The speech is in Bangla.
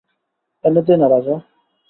এনে দে না রাজা।